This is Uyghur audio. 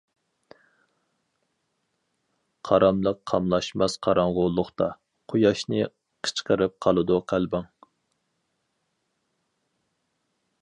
قاراملىق قاملاشماس قاراڭغۇلۇقتا، قۇياشنى قىچقىرىپ قالىدۇ قەلبىڭ.